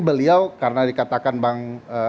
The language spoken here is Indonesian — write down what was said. beliau karena dikatakan bang